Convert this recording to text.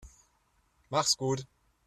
Mach's gut.